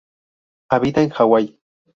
Habita en Hawaii.